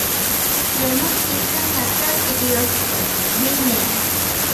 Rhemuth is the capital city of Gwynedd.